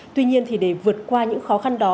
tuy nhiên thì để vượt qua những khó khăn đó